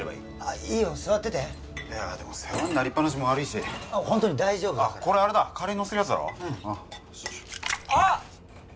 いいよ座っててでも世話になりっぱなしも悪いしホントに大丈夫これあれだカレーにのせるやつだろうんあッ！